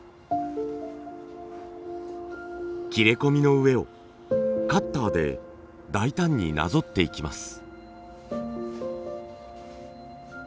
切れ込みの上をカッターで大胆になぞっていきます。